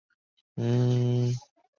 元宪宗时置通海千户所。